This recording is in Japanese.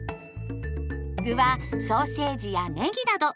具はソーセージやねぎなど。